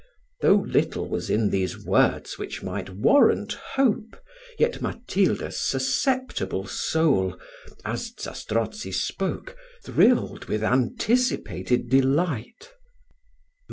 Though little was in these words which might warrant hope, yet Matilda's susceptible soul, as Zastrozzi spoke, thrilled with anticipated delight.